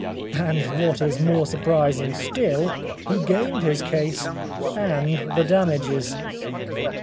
And, what is more surprising still, he gained his case and the damages.